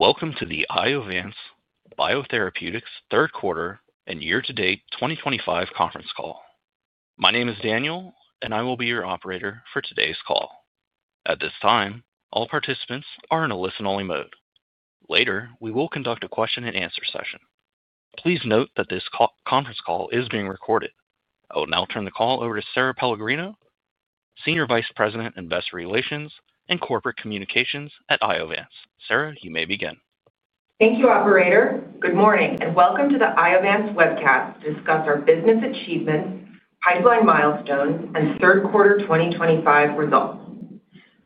Welcome to the Lovance Biotherapeutics Third Quarter and Year-to-Date 2025 Conference Call. My name is Daniel, and I will be your operator for today's call. At this time, all participants are in a listen-only mode. Later, we will conduct a question-and-answer session. Please note that this conference call is being recorded. I will now turn the call over to Sara Pellegrino, Senior Vice President of Business Relations and Corporate Communications at Iovance. Sara, you may begin. Thank you, Operator. Good morning and welcome to the Iovance webcast to discuss our business achievements, pipeline milestones, and third quarter 2025 results.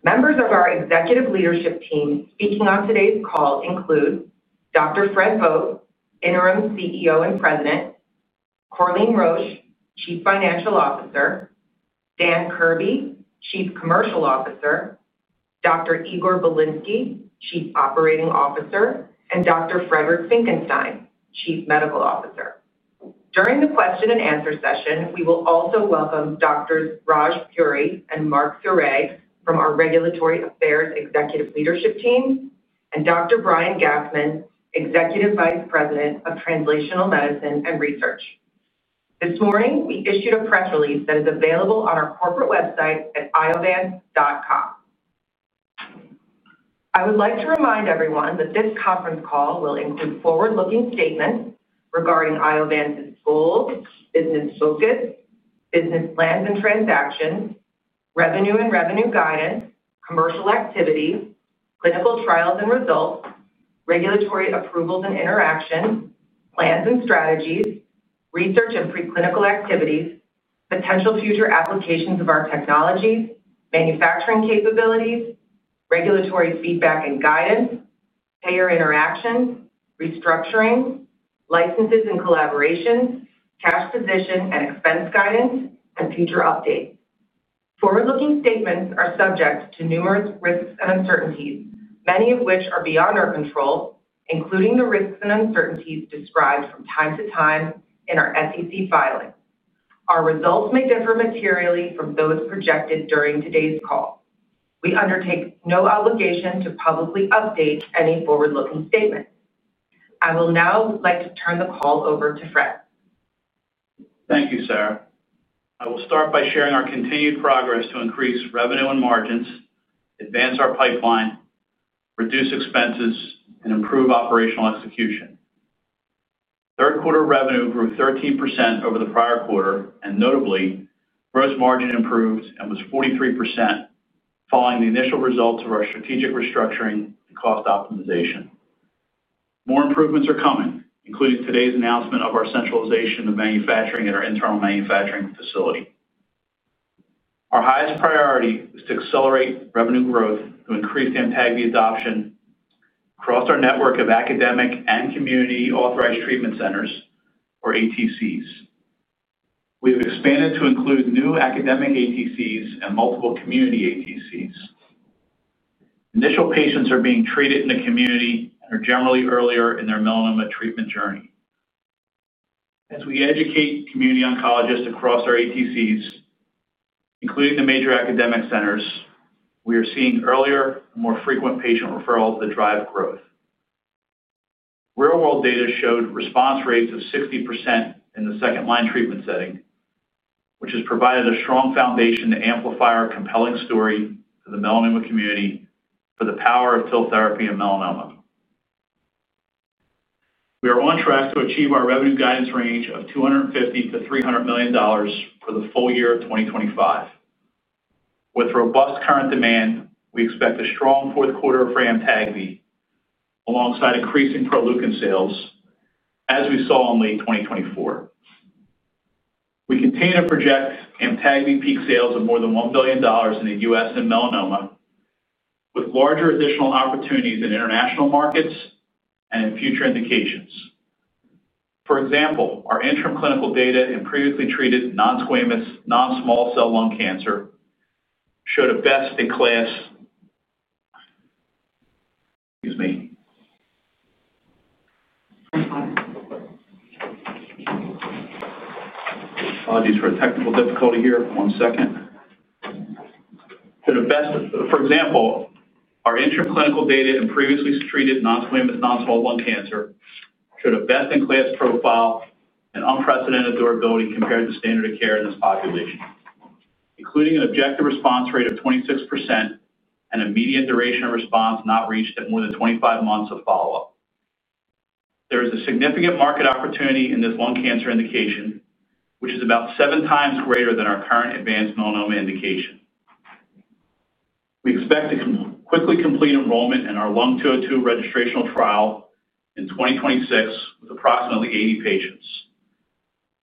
Members of our executive leadership team speaking on today's call include Dr. Fred Vogt, Interim CEO and President, Corleen Roche, Chief Financial Officer, Dan Kirby, Chief Commercial Officer, Dr. Igor Bilinsky, Chief Operating Officer, and Dr. Friedrich Finkenstein, Chief Medical Officer. During the question-and-answer session, we will also welcome Doctors Raj Puri and Marc Ferré from our Regulatory Affairs Executive Leadership Team and Dr. Brian Gastman, Executive Vice President of Translational Medicine and Research. This morning, we issued a press release that is available on our corporate website at iovance.com. I would like to remind everyone that this conference call will include forward-looking statements regarding Iovance's goals, business focus, business plans and transactions, revenue and revenue guidance, commercial activities, clinical trials and results, regulatory approvals and interactions, plans and strategies, research and preclinical activities, potential future applications of our technologies, manufacturing capabilities, regulatory feedback and guidance, payer interactions, restructuring, licenses and collaborations, cash position and expense guidance, and future updates. Forward-looking statements are subject to numerous risks and uncertainties, many of which are beyond our control, including the risks and uncertainties described from time to time in our SEC filing. Our results may differ materially from those projected during today's call. We undertake no obligation to publicly update any forward-looking statements. I will now like to turn the call over to Fred. Thank you, Sara. I will start by sharing our continued progress to increase revenue and margins, advance our pipeline, reduce expenses, and improve operational execution. Third quarter revenue grew 13% over the prior quarter, and notably, gross margin improved and was 43%. Following the initial results of our strategic restructuring and cost optimization. More improvements are coming, including today's announcement of our centralization of manufacturing at our internal manufacturing facility. Our highest priority is to accelerate revenue growth to increase the Amtagvi adoption. Across our network of academic and community authorized treatment centers, or ATCs. We have expanded to include new academic ATCs and multiple community ATCs. Initial patients are being treated in the community and are generally earlier in their melanoma treatment journey. As we educate community oncologists across our ATCs. Including the major academic centers, we are seeing earlier and more frequent patient referrals that drive growth. Real-world data showed response rates of 60% in the second-line treatment setting, which has provided a strong foundation to amplify our compelling story to the melanoma community for the power of TIL therapy in melanoma. We are on track to achieve our revenue guidance range of $250 to 300 million for the full year of 2025. With robust current demand, we expect a strong fourth quarter of for Amtagvi alongside increasing Proleukin sales as we saw in late 2024. We continue to project Amtagvi peak sales of more than $1 billion in the US and melanoma, with larger additional opportunities in international markets and in future indications. For example, our interim clinical data in previously treated non-squamous, non-small cell lung cancer showed a best in class. Excuse me. Apologies for technical difficulty here. One second. For example, our interim clinical data in previously treated non-squamous, non-small cell lung cancer showed a best in class profile and unprecedented durability compared to standard of care in this population, including an objective response rate of 26% and a median duration of response not reached at more than 25 months of follow-up. There is a significant market opportunity in this lung cancer indication, which is about seven times greater than our current advanced melanoma indication. We expect to quickly complete enrollment in our LUN- 202 registration trial in 2026 with approximately 80 patients.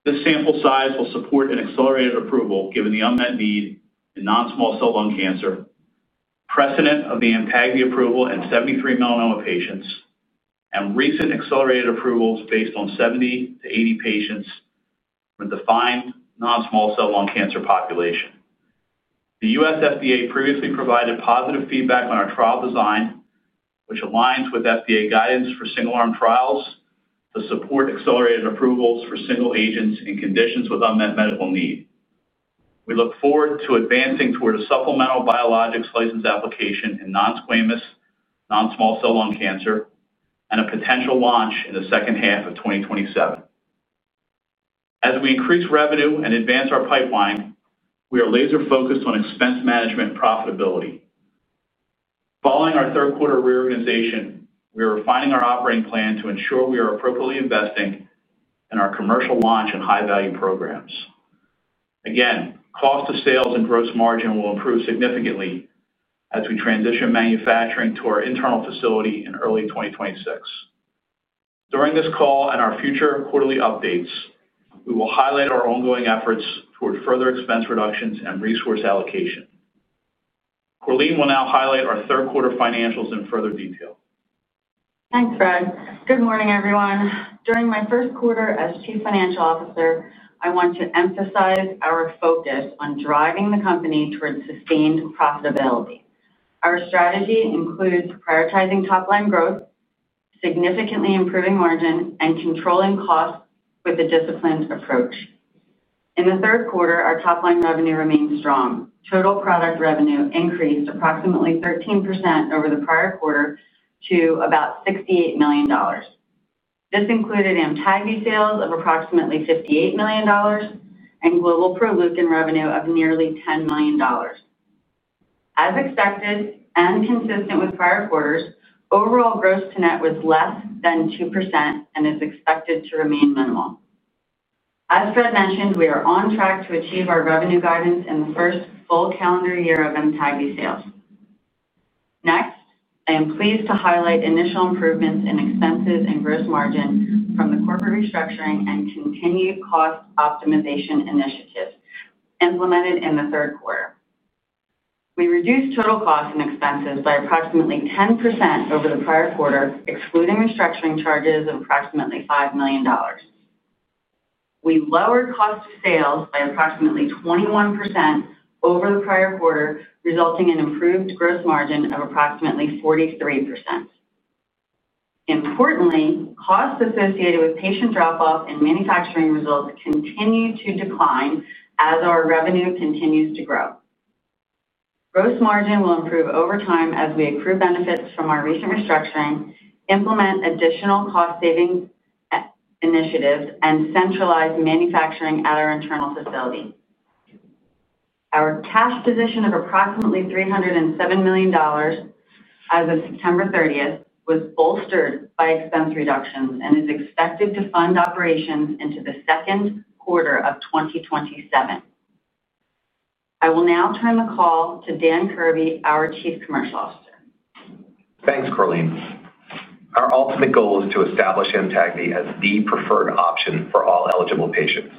This sample size will support an accelerated approval given the unmet need in non-small cell lung cancer, precedent of the Amtagvi approval in 73 melanoma patients, and recent accelerated approvals based on 70-80 patients from the defined non-small cell lung cancer population. The US FDA previously provided positive feedback on our trial design. Which aligns with FDA guidance for single-arm trials to support accelerated approvals for single agents in conditions with unmet medical need. We look forward to advancing toward a supplemental biologics license application in non-squamous, non-small cell lung cancer and a potential launch in the second half of 2027. As we increase revenue and advance our pipeline, we are laser-focused on expense management profitability. Following our third quarter reorganization, we are refining our operating plan to ensure we are appropriately investing in our commercial launch and high-value programs. Again, cost of sales and gross margin will improve significantly as we transition manufacturing to our internal facility in early 2026. During this call and our future quarterly updates, we will highlight our ongoing efforts toward further expense reductions and resource allocation. Corleen will now highlight our third quarter financials in further detail. Thanks, Fred. Good morning, everyone. During my first quarter as Chief Financial Officer, I want to emphasize our focus on driving the company toward sustained profitability. Our strategy includes prioritizing top-line growth, significantly improving margin, and controlling costs with a disciplined approach. In the third quarter, our top-line revenue remained strong. Total product revenue increased approximately 13% over the prior quarter to about $68 million. This included Amtagvi sales of approximately $58 million. Global Proleukin revenue was nearly $10 million. As expected and consistent with prior quarters, overall gross to net was less than 2% and is expected to remain minimal. As Fred mentioned, we are on track to achieve our revenue guidance in the first full calendar year of Amtagvi sales. Next, I am pleased to highlight initial improvements in expenses and gross margin from the corporate restructuring and continued cost optimization initiatives implemented in the third quarter. We reduced total costs and expenses by approximately 10% over the prior quarter, excluding restructuring charges of approximately $5 million. We lowered cost of sales by approximately 21% over the prior quarter, resulting in improved gross margin of approximately 43%. Importantly, costs associated with patient drop-off and manufacturing results continue to decline as our revenue continues to grow. Gross margin will improve over time as we accrue benefits from our recent restructuring, implement additional cost savings initiatives, and centralize manufacturing at our internal facility. Our cash position of approximately $307 million as of September 30th was bolstered by expense reductions and is expected to fund operations into the second quarter of 2027. I will now turn the call to Dan Kirby, our Chief Commercial Officer. Thanks, Corleen. Our ultimate goal is to establish Amtagvi as the preferred option for all eligible patients.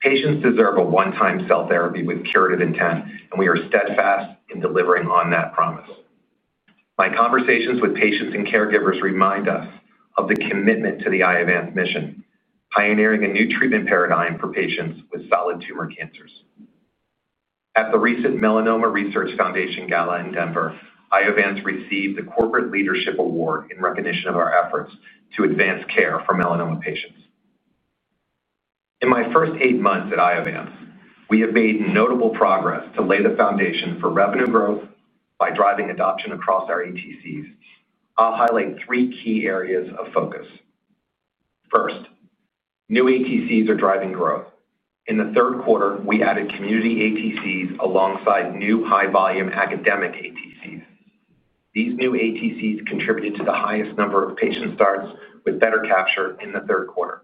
Patients deserve a one-time cell therapy with curative intent, and we are steadfast in delivering on that promise. My conversations with patients and caregivers remind us of the commitment to the Iovance mission, pioneering a new treatment paradigm for patients with solid tumor cancers. At the recent Melanoma Research Foundation Gala in Denver, Iovance received the Corporate Leadership Award in recognition of our efforts to advance care for melanoma patients. In my first eight months at Iovance, we have made notable progress to lay the foundation for revenue growth by driving adoption across our ATCs. I'll highlight three key areas of focus. First. New ATCs are driving growth. In the third quarter, we added community ATCs alongside new high-volume academic ATCs. These new ATCs contributed to the highest number of patient starts with better capture in the third quarter.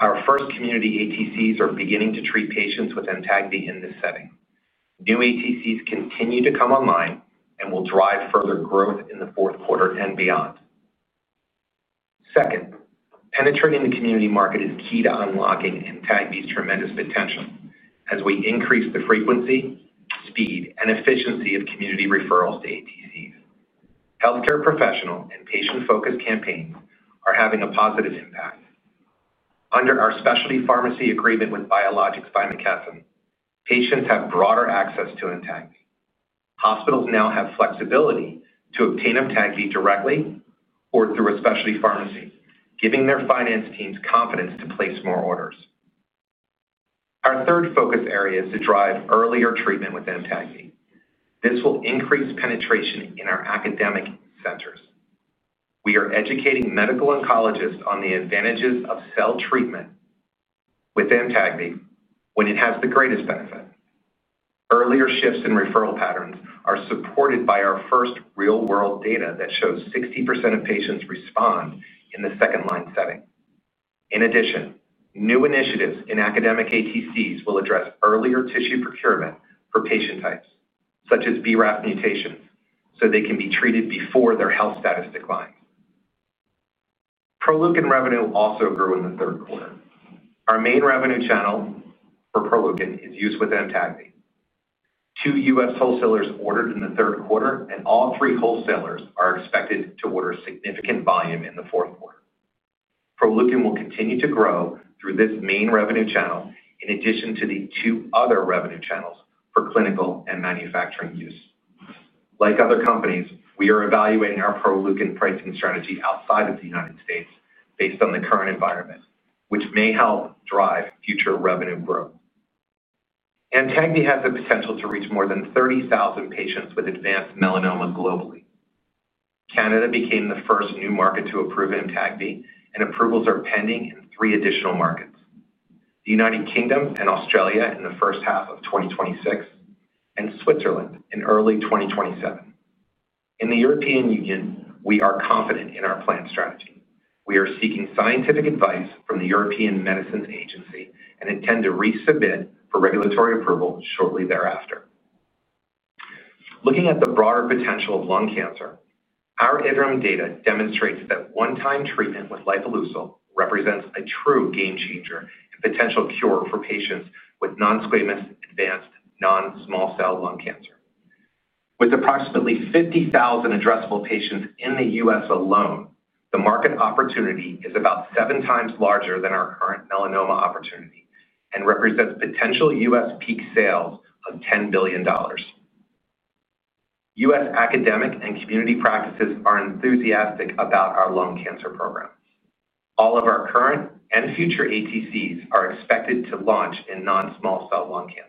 Our first community ATCs are beginning to treat patients with Amtagvi in this setting. New ATCs continue to come online and will drive further growth in the fourth quarter and beyond. Second, penetrating the community market is key to unlocking Amtagvi's tremendous potential as we increase the frequency, speed, and efficiency of community referrals to ATCs. Healthcare professional and patient-focused campaigns are having a positive impact. Under our specialty pharmacy agreement with Biologics by McKesson, patients have broader access to Amtagvi. Hospitals now have flexibility to obtain Amtagvi directly or through a specialty pharmacy, giving their finance teams confidence to place more orders. Our third focus area is to drive earlier treatment with Amtagvi. This will increase penetration in our academic centers. We are educating medical oncologists on the advantages of cell treatment. With Amtagvi when it has the greatest benefit. Earlier shifts in referral patterns are supported by our first real-world data that shows 60% of patients respond in the second-line setting. In addition, new initiatives in academic ATCs will address earlier tissue procurement for patient types, such as BRAF mutations, so they can be treated before their health status declines. Proleukin revenue also grew in the third quarter. Our main revenue channel for Proleukin is used with Amtagvi. Two US wholesalers ordered in the third quarter, and all three wholesalers are expected to order significant volume in the fourth quarter. Proleukin will continue to grow through this main revenue channel in addition to the two other revenue channels for clinical and manufacturing use. Like other companies, we are evaluating our Proleukin pricing strategy outside of the United States based on the current environment, which may help drive future revenue growth. Amtagvi has the potential to reach more than 30,000 patients with advanced melanoma globally. Canada became the first new market to approve Amtagvi, and approvals are pending in three additional markets: the UK and Australia in the first half of 2026, and Switzerland in early 2027. In the European Union, we are confident in our planned strategy. We are seeking scientific advice from the European Medicines Agency and intend to resubmit for regulatory approval shortly thereafter. Looking at the broader potential of lung cancer, our interim data demonstrates that one-time treatment with lifileucel represents a true game changer and potential cure for patients with non-squamous advanced non-small cell lung cancer. With approximately 50,000 addressable patients in the US alone, the market opportunity is about seven times larger than our current melanoma opportunity and represents potential US peak sales of $10 billion. US academic and community practices are enthusiastic about our lung cancer program. All of our current and future ATCs are expected to launch in non-small cell lung cancer.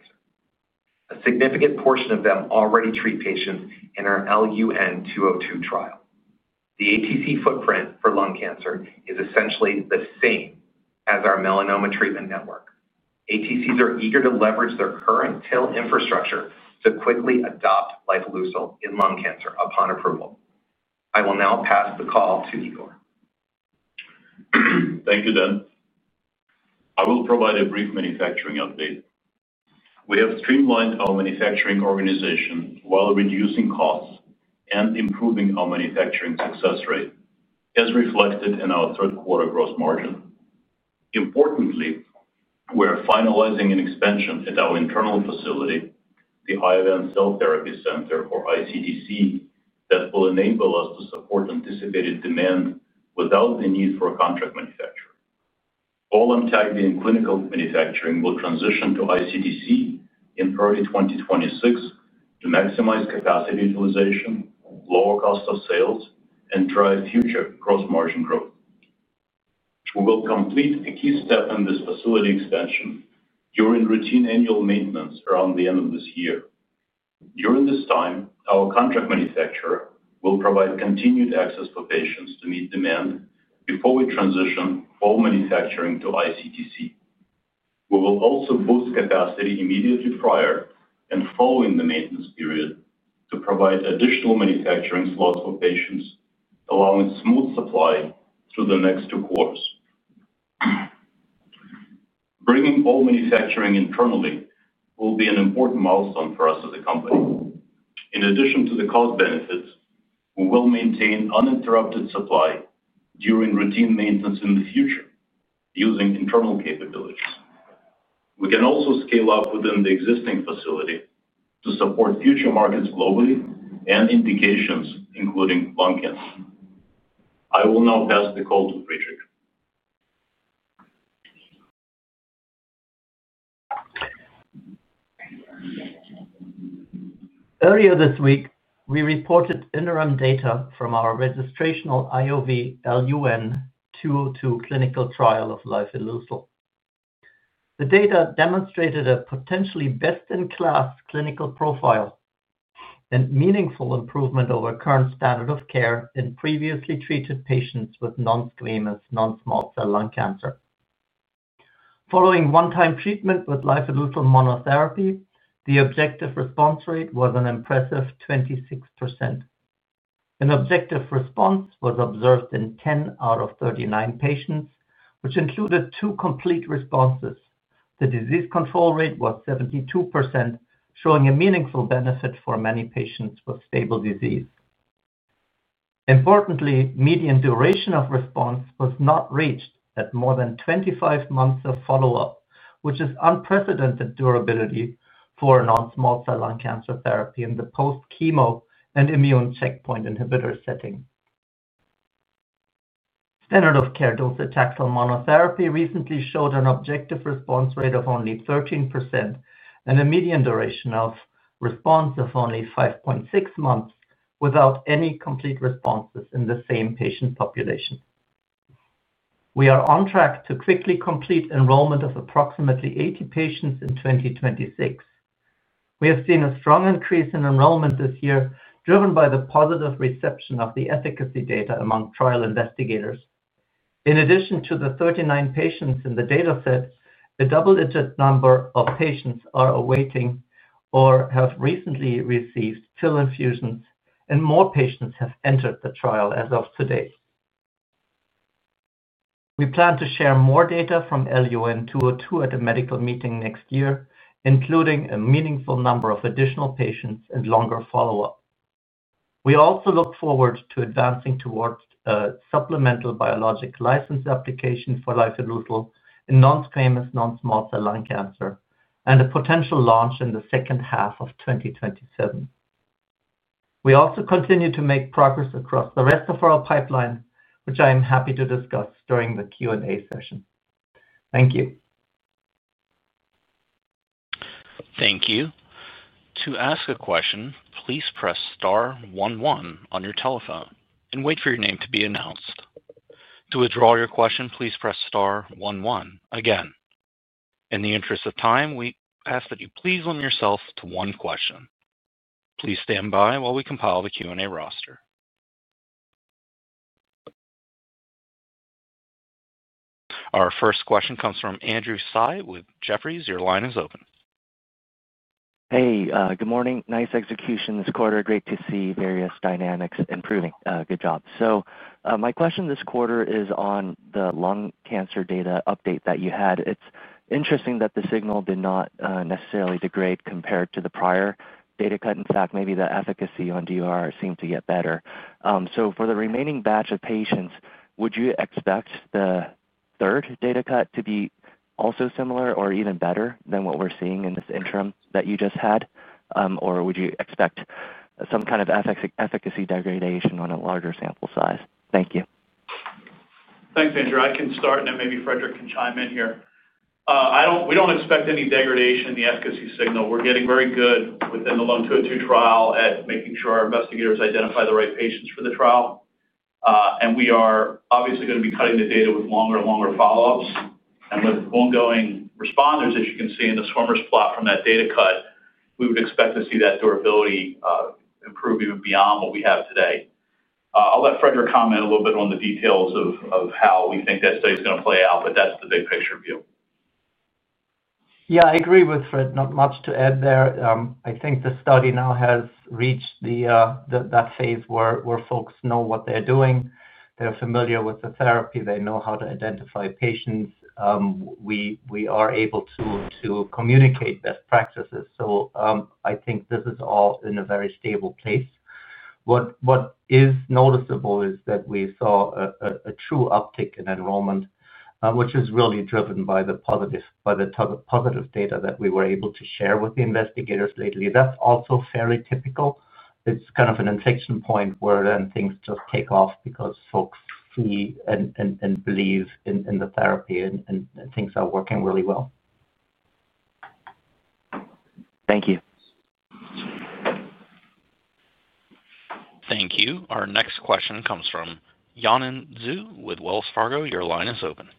A significant portion of them already treat patients in our IOV-LUN-202 trial. The ATC footprint for lung cancer is essentially the same as our melanoma treatment network. ATCs are eager to leverage their current TIL infrastructure to quickly adopt lifileucel in lung cancer upon approval. I will now pass the call to Igor. Thank you, Dan. I will provide a brief manufacturing update. We have streamlined our manufacturing organization while reducing costs and improving our manufacturing success rate, as reflected in our third quarter gross margin. Importantly, we are finalizing an expansion at our internal facility, the Iovance Cell Therapy Center, or ICTC, that will enable us to support anticipated demand without the need for a contract manufacturer. All Amtagvi and clinical manufacturing will transition to ICTC in early 2026 to maximize capacity utilization, lower cost of sales, and drive future gross margin growth. We will complete a key step in this facility expansion during routine annual maintenance around the end of this year. During this time, our contract manufacturer will provide continued access for patients to meet demand before we transition full manufacturing to ICTC. We will also boost capacity immediately prior and following the maintenance period to provide additional manufacturing slots for patients, allowing smooth supply through the next two quarters. Bringing full manufacturing internally will be an important milestone for us as a company. In addition to the cost benefits, we will maintain uninterrupted supply during routine maintenance in the future using internal capabilities. We can also scale up within the existing facility to support future markets globally and indications, including lung cancer. I will now pass the call to Friedrich. Earlier this week, we reported interim data from our registrational IOV-LUN-202 clinical trial of lifileucel. The data demonstrated a potentially best-in-class clinical profile. A meaningful improvement over current standard of care in previously treated patients with non-squamous non-small cell lung cancer. Following one-time treatment with lifileucel monotherapy, the objective response rate was an impressive 26%. An objective response was observed in 10 out of 39 patients, which included two complete responses. The disease control rate was 72%, showing a meaningful benefit for many patients with stable disease. Importantly, median duration of response was not reached at more than 25 months of follow-up, which is unprecedented durability for non-small cell lung cancer therapy in the post-chemo and immune checkpoint inhibitor setting. Standard of care docetaxel on monotherapy recently showed an objective response rate of only 13% and a median duration of response of only 5.6 months without any complete responses in the same patient population. We are on track to quickly complete enrollment of approximately 80 patients in 2026. We have seen a strong increase in enrollment this year, driven by the positive reception of the efficacy data among trial investigators. In addition to the 39 patients in the data set, a double-digit number of patients are awaiting or have recently received TIL infusions, and more patients have entered the trial as of today. We plan to share more data from LUN-202 at a medical meeting next year, including a meaningful number of additional patients and longer follow-up. We also look forward to advancing towards a supplemental biologics license application for lifileucel in non-squamous non-small cell lung cancer and a potential launch in the second half of 2027. We also continue to make progress across the rest of our pipeline, which I am happy to discuss during the Q&A session. Thank you. Thank you. To ask a question, please press star one one on your telephone and wait for your name to be announced. To withdraw your question, please press star one one again. In the interest of time, we ask that you please limit yourself to one question. Please stand by while we compile the Q&A roster. Our first question comes from Andrew Tsai with Jefferies. Your line is open. Hey, good morning. Nice execution this quarter. Great to see various dynamics improving. Good job. My question this quarter is on the lung cancer data update that you had. It's interesting that the signal did not necessarily degrade compared to the prior data cut. In fact, maybe the efficacy on DOR seemed to get better. For the remaining batch of patients, would you expect the third data cut to be also similar or even better than what we're seeing in this interim that you just had? Would you expect some kind of efficacy degradation on a larger sample size? Thank you. Thanks, Andrew. I can start, and then maybe Friedrich can chime in here. We do not expect any degradation in the efficacy signal. We are getting very good within the LUN 202 trial at making sure our investigators identify the right patients for the trial. We are obviously going to be cutting the data with longer and longer follow-ups. With ongoing responders, as you can see in the swimmers plot from that data cut, we would expect to see that durability improve even beyond what we have today. I will let Friedrich comment a little bit on the details of how we think that study is going to play out, but that is the big picture view. Yeah, I agree with Fred. Not much to add there. I think the study now has reached that phase where folks know what they're doing. They're familiar with the therapy. They know how to identify patients. We are able to communicate best practices. I think this is all in a very stable place. What is noticeable is that we saw a true uptick in enrollment, which is really driven by the positive data that we were able to share with the investigators lately. That's also fairly typical. It's kind of an inflection point where then things just take off because folks see and believe in the therapy and things are working really well. Thank you. Thank you. Our next question comes from Yanan Zhu with Wells Fargo. Your line is open.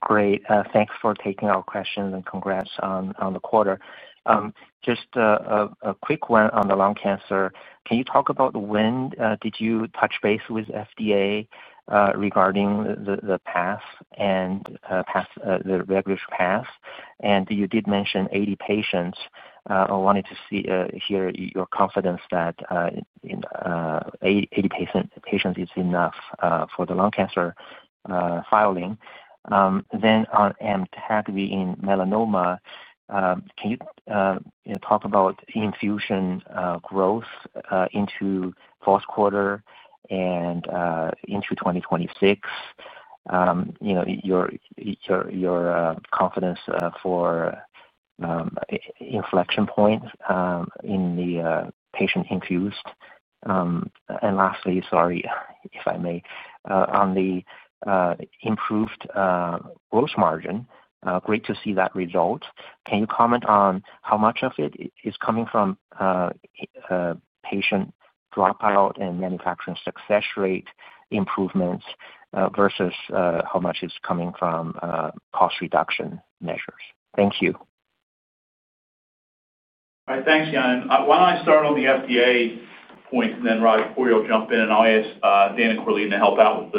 Great. Thanks for taking our questions and congrats on the quarter. Just a quick one on the lung cancer. Can you talk about when did you touch base with FDA regarding the path and the regulatory path? And you did mention 80 patients. I wanted to hear your confidence that 80 patients is enough for the lung cancer filing. Then on Amtagvi in melanoma. Can you talk about infusion growth into fourth quarter and into 2026? Your confidence for inflection points in the patient infused. And lastly, sorry, if I may, on the improved gross margin, great to see that result. Can you comment on how much of it is coming from patient dropout and manufacturing success rate improvements versus how much is coming from cost reduction measures? Thank you. All right, thanks, Yanan. Why don't I start on the FDA point, and then Raj Puri will jump in and I'll ask Dan and Corleen to help out with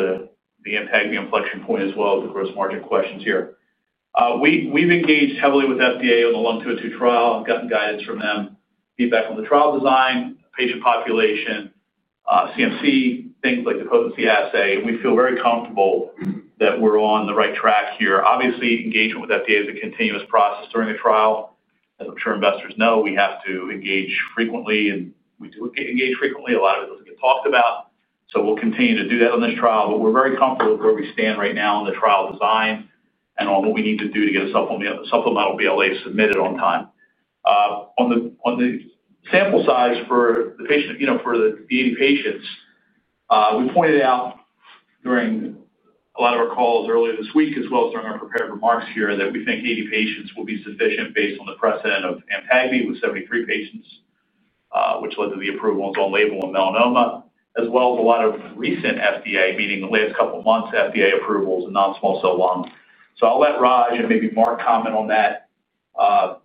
the Amtagvi inflection point as well as the gross margin questions here. We've engaged heavily with FDA on the LUN 202 trial. I've gotten guidance from them, feedback on the trial design, patient population, CMC, things like the potency assay. We feel very comfortable that we're on the right track here. Obviously, engagement with FDA is a continuous process during the trial. As I'm sure investors know, we have to engage frequently, and we do engage frequently. A lot of it doesn't get talked about. We'll continue to do that on this trial, but we're very comfortable with where we stand right now in the trial design and on what we need to do to get a supplemental BLA submitted on time. On the sample size for the patient, for the 80 patients, we pointed out during a lot of our calls earlier this week, as well as during our prepared remarks here, that we think 80 patients will be sufficient based on the precedent of Amtagvi with 73 patients, which led to the approvals on label in melanoma, as well as a lot of recent FDA, meaning the last couple of months, FDA approvals in non-small cell lung. I'll let Raj and maybe Marc comment on that, on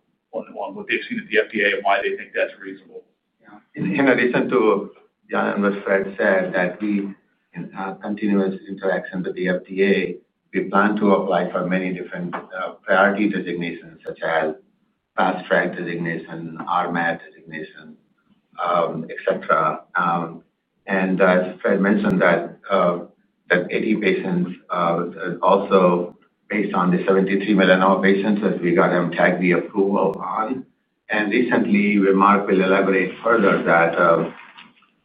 what they've seen at the FDA and why they think that's reasonable. In addition to what Yanan and Fred said, we, in continuous interaction with the FDA, plan to apply for many different priority designations such as fast track designation, RMAT designation, etc. As Fred mentioned, 80 patients also, based on the 73 melanoma patients that we got Amtagvi approval on. Recently, Marc will elaborate further that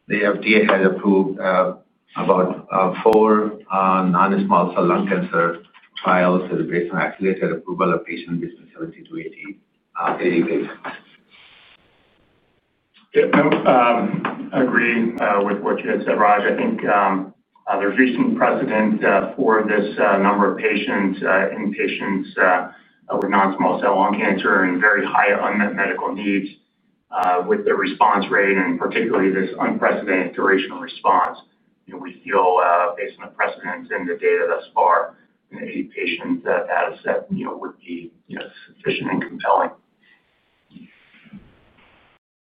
the FDA has approved about four non-small cell lung cancer trials based on accelerated approval of patients between 70-80 patients. Yeah, I agree with what you had said, Raj. I think there's recent precedent for this number of patients, inpatients. Non-small cell lung cancer and very high unmet medical needs. With the response rate and particularly this unprecedented duration response, we feel, based on the precedent and the data thus far, an 80 patient data set would be sufficient and compelling.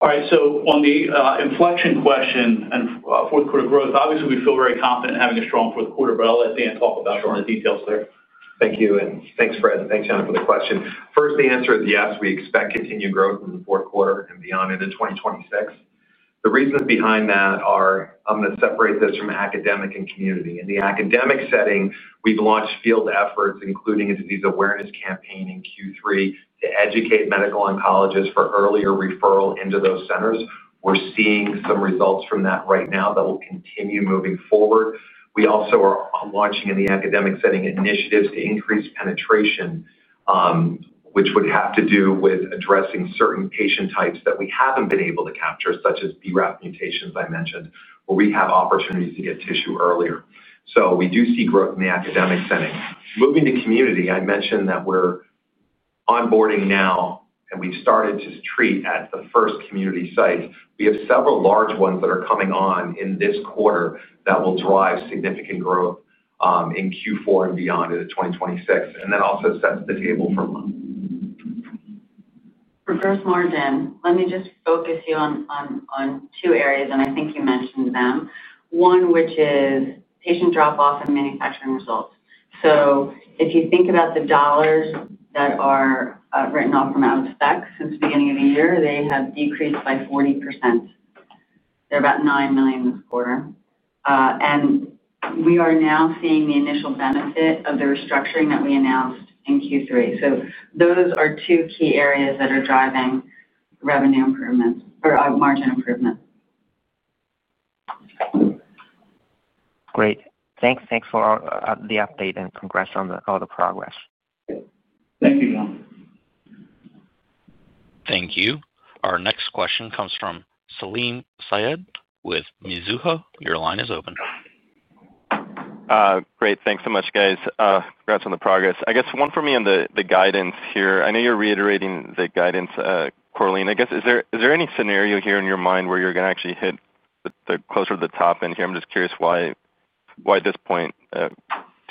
All right. On the inflection question and fourth quarter growth, obviously, we feel very confident in having a strong fourth quarter, but I'll let Dan talk about some of the details there. Thank you. Thanks, Fred, and thanks, Yanan, for the question. First, the answer is yes. We expect continued growth in the fourth quarter and beyond into 2026. The reasons behind that are, I'm going to separate this from academic and community. In the academic setting, we've launched field efforts, including a disease awareness campaign in Q3 to educate medical oncologists for earlier referral into those centers. We're seeing some results from that right now that will continue moving forward. We also are launching in the academic setting initiatives to increase penetration, which would have to do with addressing certain patient types that we haven't been able to capture, such as BRAF mutations I mentioned, where we have opportunities to get tissue earlier. We do see growth in the academic setting. Moving to community, I mentioned that we're onboarding now, and we've started to treat at the first community site. We have several large ones that are coming on in this quarter that will drive significant growth. In Q4 and beyond into 2026, and that also sets the table for launch. For first margin, let me just focus you on two areas, and I think you mentioned them. One, which is patient drop-off and manufacturing results. If you think about the dollars that are written off from out-of-spec since the beginning of the year, they have decreased by 40%. They're about $9 million this quarter. We are now seeing the initial benefit of the restructuring that we announced in Q3. Those are two key areas that are driving revenue improvements or margin improvements. Great. Thanks. Thanks for the update and congrats on all the progress. Thank you, Yanan. Thank you. Our next question comes from Salim Syed with Mizuho. Your line is open. Great. Thanks so much, guys. Congrats on the progress. I guess one for me on the guidance here. I know you're reiterating the guidance, Corleen. I guess, is there any scenario here in your mind where you're going to actually hit the closer to the top end here? I'm just curious why at this point.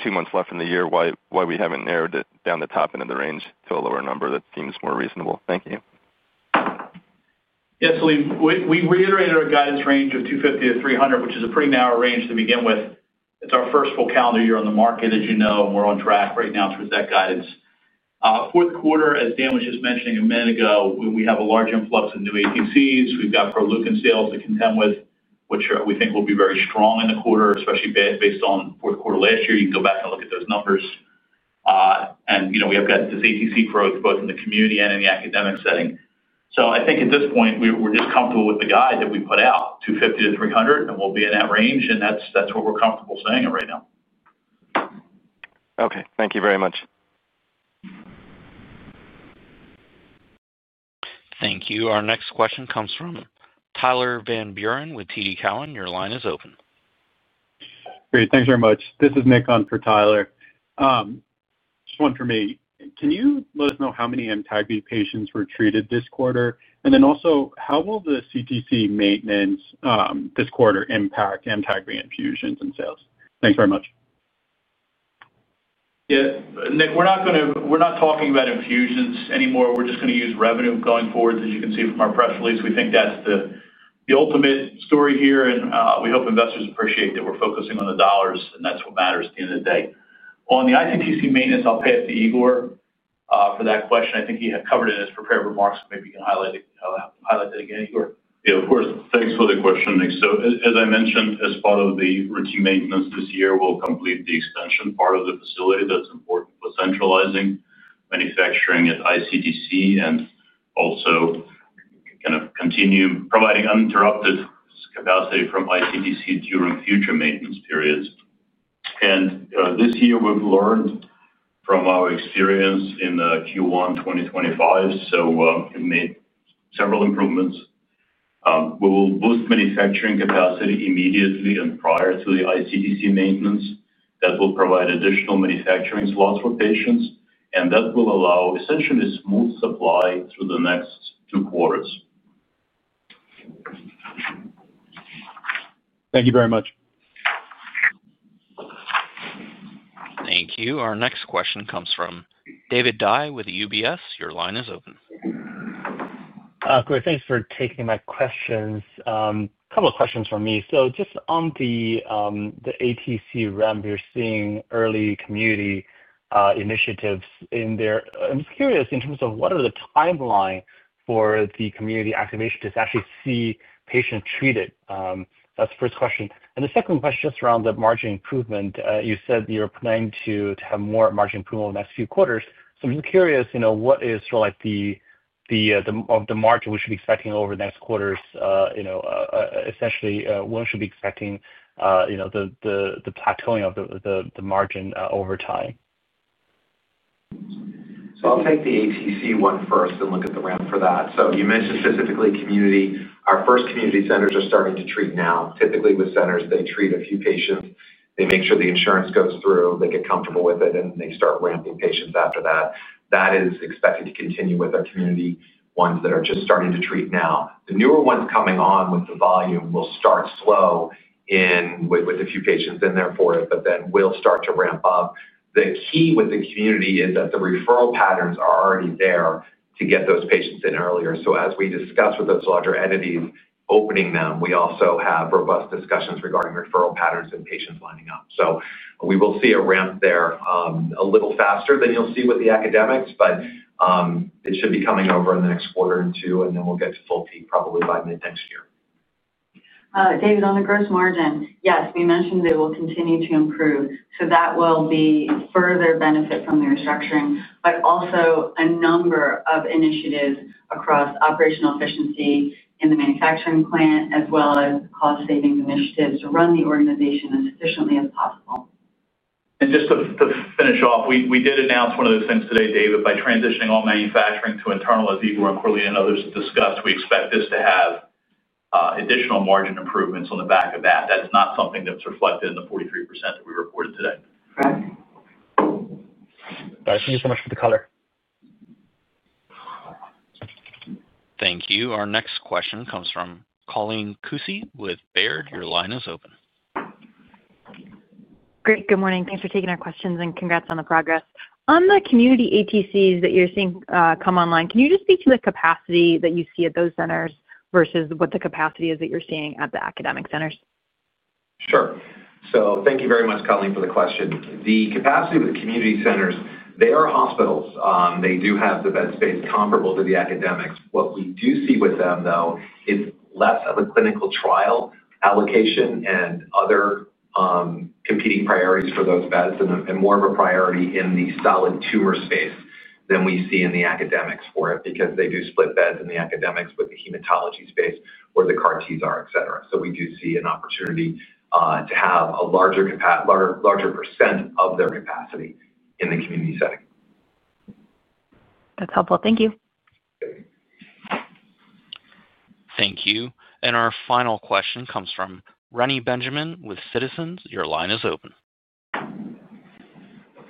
Two months left in the year, why we haven't narrowed it down the top end of the range to a lower number that seems more reasonable. Thank you. Yeah, Salim, we reiterated our guidance range of 250-300, which is a pretty narrow range to begin with. It's our first full calendar year on the market, as you know, and we're on track right now towards that guidance. Fourth quarter, as Dan was just mentioning a minute ago, we have a large influx of new ATCs. We've got Proleukin sales to contend with, which we think will be very strong in the quarter, especially based on fourth quarter last year. You can go back and look at those numbers. And we have got this ATC growth both in the community and in the academic setting. I think at this point, we're just comfortable with the guide that we put out, 250-300, and we'll be in that range, and that's what we're comfortable saying right now. Okay. Thank you very much. Thank you. Our next question comes from Tyler Van Buren with TD Cowen. Your line is open. Great. Thanks very much. This is Nick on for Tyler. Just one for me. Can you let us know how many Amtagvi patients were treated this quarter? And then also, how will the ICTC maintenance this quarter impact Amtagvi infusions and sales? Thanks very much. Yeah. Nick, we're not talking about infusions anymore. We're just going to use revenue going forward, as you can see from our press release. We think that's the ultimate story here, and we hope investors appreciate that we're focusing on the dollars, and that's what matters at the end of the day. On the ICTC maintenance, I'll pay it to Igor for that question. I think he covered it in his prepared remarks, so maybe you can highlight that again, Igor. Yeah, of course. Thanks for the question, Nick. As I mentioned, as part of the routine maintenance this year, we'll complete the extension part of the facility. That's important for centralizing manufacturing at ICTC and also kind of continue providing uninterrupted capacity from ICTC during future maintenance periods. This year, we've learned from our experience in Q1 2025, so we made several improvements. We will boost manufacturing capacity immediately and prior to the ICTC maintenance. That will provide additional manufacturing slots for patients, and that will allow essentially smooth supply through the next two quarters. Thank you very much. Thank you. Our next question comes from David Dye with UBS. Your line is open. Great. Thanks for taking my questions. A couple of questions for me. Just on the ATC ramp, you're seeing early community initiatives in there. I'm just curious in terms of what are the timeline for the community activation to actually see patients treated. That's the first question. The second question just around the margin improvement. You said you're planning to have more margin improvement over the next few quarters. I'm just curious, what is sort of the of the margin we should be expecting over the next quarters? Essentially, when should we be expecting the plateauing of the margin over time? I'll take the ATC one first and look at the ramp for that. You mentioned specifically community. Our first community centers are starting to treat now. Typically, with centers, they treat a few patients. They make sure the insurance goes through. They get comfortable with it, and they start ramping patients after that. That is expected to continue with our community ones that are just starting to treat now. The newer ones coming on with the volume will start slow with a few patients in there for it, but then will start to ramp up. The key with the community is that the referral patterns are already there to get those patients in earlier. As we discuss with those larger entities opening them, we also have robust discussions regarding referral patterns and patients lining up. We will see a ramp there a little faster than you'll see with the academics, but it should be coming over in the next quarter or two, and then we'll get to full peak probably by mid next year. David, on the gross margin, yes, we mentioned they will continue to improve. That will be further benefit from the restructuring, but also a number of initiatives across operational efficiency in the manufacturing plant, as well as cost-saving initiatives to run the organization as efficiently as possible. Just to finish off, we did announce one of those things today, David, by transitioning all manufacturing to internal, as Igor and Corleen and others discussed. We expect this to have additional margin improvements on the back of that. That's not something that's reflected in the 43% that we reported today. All right. Thank you so much for the color. Thank you. Our next question comes from Colleen Kusi with Baird. Your line is open. Great. Good morning. Thanks for taking our questions and congrats on the progress. On the community ATCs that you're seeing come online, can you just speak to the capacity that you see at those centers versus what the capacity is that you're seeing at the academic centers? Sure. Thank you very much, Colleen, for the question. The capacity with the community centers, they are hospitals. They do have the bed space comparable to the academics. What we do see with them, though, is less of a clinical trial allocation and other competing priorities for those beds and more of a priority in the solid tumor space than we see in the academics for it because they do split beds in the academics with the hematology space where the CAR-Ts are, etc. We do see an opportunity to have a larger % of their capacity in the community setting. That's helpful. Thank you. Thank you. Our final question comes from Reni Benjamin with Citizens. Your line is open.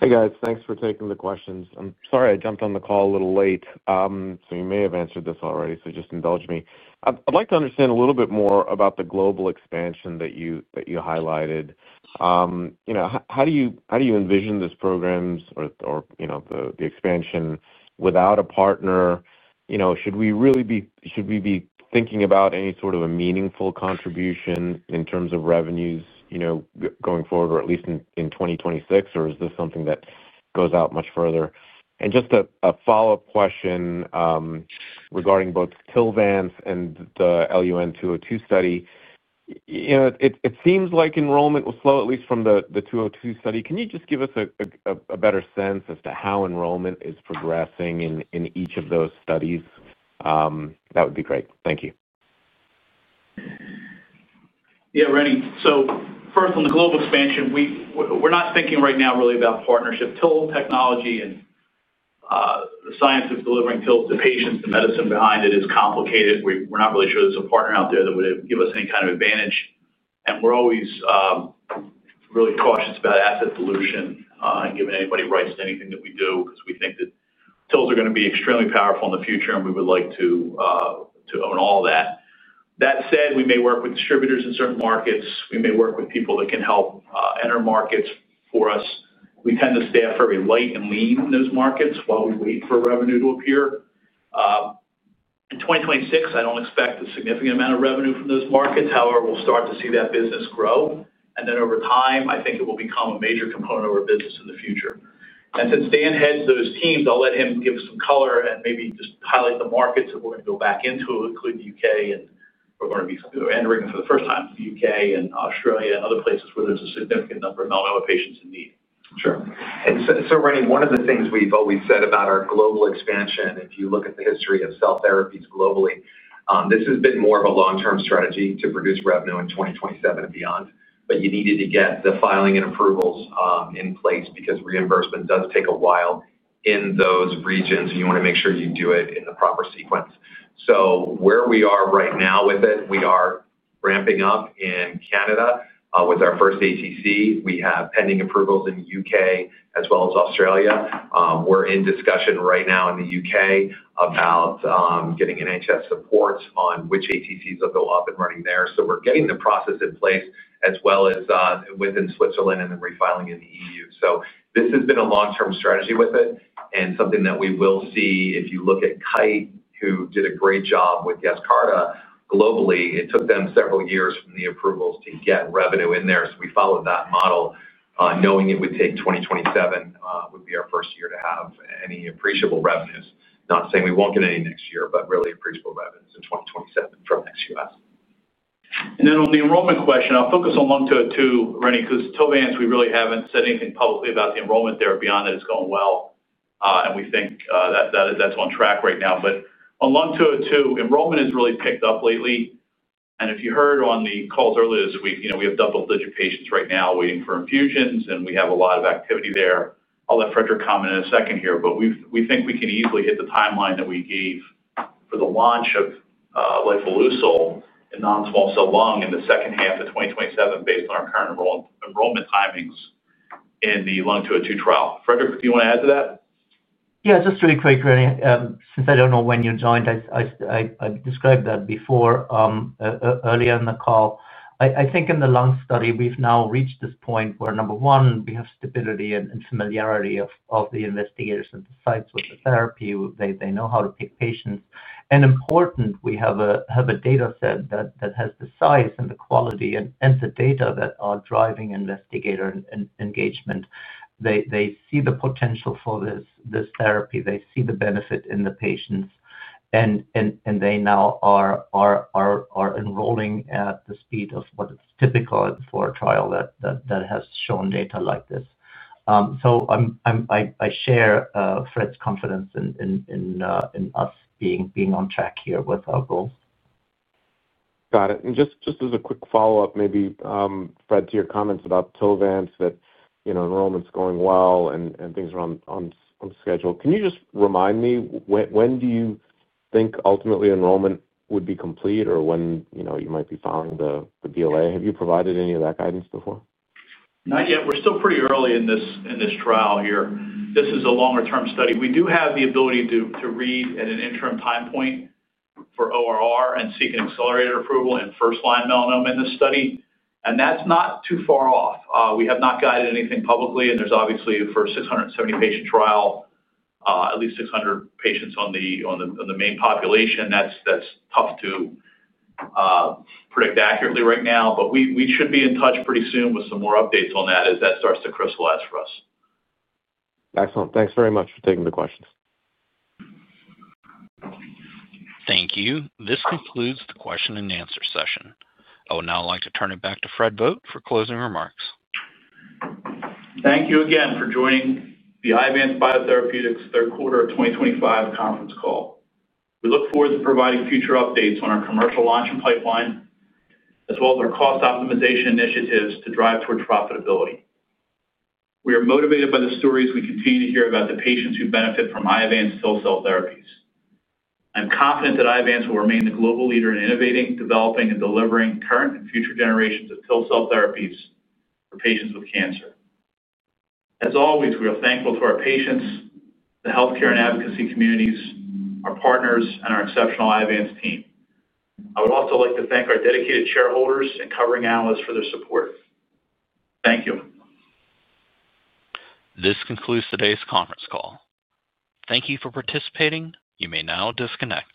Hey, guys. Thanks for taking the questions. I'm sorry I jumped on the call a little late. You may have answered this already, so just indulge me. I'd like to understand a little bit more about the global expansion that you highlighted. How do you envision this program or the expansion without a partner? Should we really be thinking about any sort of a meaningful contribution in terms of revenues going forward, or at least in 2026, or is this something that goes out much further? Just a follow-up question regarding both TILVANCE and the LUN 202 study. It seems like enrollment was slow, at least from the 202 study. Can you just give us a better sense as to how enrollment is progressing in each of those studies? That would be great. Thank you. Yeah, Reni. First, on the global expansion, we're not thinking right now really about partnership. TIL technology and the science of delivering patients and medicine behind it is complicated. We're not really sure there's a partner out there that would give us any kind of advantage. We're always really cautious about asset dilution and giving anybody rights to anything that we do because we think that TILs are going to be extremely powerful in the future, and we would like to own all of that. That said, we may work with distributors in certain markets. We may work with people that can help enter markets for us. We tend to stay fairly light and lean in those markets while we wait for revenue to appear. In 2026, I don't expect a significant amount of revenue from those markets. However, we'll start to see that business grow. Over time, I think it will become a major component of our business in the future. Since Dan heads those teams, I'll let him give us some color and maybe just highlight the markets that we're going to go back into, including the UK and we're going to be entering for the first time in the UK and Australia and other places where there's a significant number of patients in need. Sure. Reni, one of the things we've always said about our global expansion, if you look at the history of cell therapies globally, this has been more of a long-term strategy to produce revenue in 2027 and beyond. You needed to get the filing and approvals in place because reimbursement does take a while in those regions, and you want to make sure you do it in the proper sequence. Where we are right now with it, we are ramping up in Canada with our first ATC. We have pending approvals in the UK as well as Australia. We're in discussion right now in the UK about getting NHS support on which ATCs will go up and running there. We're getting the process in place as well as within Switzerland and then refiling in the EU. This has been a long-term strategy with it and something that we will see if you look at Kite, who did a great job with Yescarta globally. It took them several years from the approvals to get revenue in there. We followed that model, knowing it would take 2027, would be our first year to have any appreciable revenues. Not saying we won't get any next year, but really appreciable revenues in 2027 from XUS. On the enrollment question, I'll focus on Lung 202, Reni, because TILVANCE, we really haven't said anything publicly about the enrollment there beyond that it's going well. We think that that's on track right now. On LUN 202, enrollment has really picked up lately. If you heard on the calls earlier this week, we have double-digit patients right now waiting for infusions, and we have a lot of activity there. I'll let Friedrich comment in a second here, but we think we can easily hit the timeline that we gave for the launch of lifileucel in non-small cell lung in the second half of 2027 based on our current enrollment timings in the LUN 202 trial. Frederick, do you want to add to that? Yeah, just really quick, Reni, since I don't know when you joined, I described that before. Earlier in the call, I think in the lung study, we've now reached this point where, number one, we have stability and familiarity of the investigators and the sites with the therapy. They know how to pick patients. And important, we have a data set that has the size and the quality and the data that are driving investigator engagement. They see the potential for this therapy. They see the benefit in the patients. They now are enrolling at the speed of what is typical for a trial that has shown data like this. I share Fred's confidence in us being on track here with our goals. Got it. And just as a quick follow-up, maybe, Fred, to your comments about TILVANCE, that enrollment's going well and things are on schedule. Can you just remind me, when do you think ultimately enrollment would be complete or when you might be filing the BLA? Have you provided any of that guidance before? Not yet. We're still pretty early in this trial here. This is a longer-term study. We do have the ability to read at an interim time point for ORR and seek an accelerated approval in first-line melanoma in this study. That's not too far off. We have not guided anything publicly, and there's obviously, for a 670-patient trial, at least 600 patients in the main population. That's tough to predict accurately right now, but we should be in touch pretty soon with some more updates on that as that starts to crystallize for us. Excellent. Thanks very much for taking the questions. Thank you. This concludes the question-and-answer session. I would now like to turn it back to Fred Vogt for closing remarks. Thank you again for joining the Iovance Biotherapeutics third quarter of 2025 conference call. We look forward to providing future updates on our commercial launch and pipeline, as well as our cost optimization initiatives to drive towards profitability. We are motivated by the stories we continue to hear about the patients who benefit from Iovance TIL Cell Therapies. I'm confident that Iovance will remain the global leader in innovating, developing, and delivering current and future generations of TIL Cell Therapies for patients with cancer. As always, we are thankful to our patients, the healthcare and advocacy communities, our partners, and our exceptional Iovance team. I would also like to thank our dedicated shareholders and covering analysts for their support. Thank you. This concludes today's conference call. Thank you for participating. You may now disconnect.